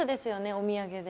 お土産で。